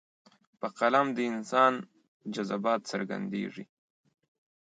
په قلم د انسان جذبات څرګندېږي.